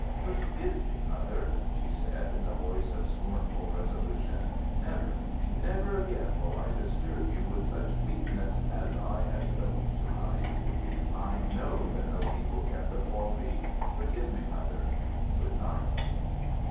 "Forgive me, Mother!" she said, in a voice of scornful resolution. "Never never again will I disturb you with such weakness as I have shown to night. I know that no evil can befall me! Forgive me, Mother. Good night."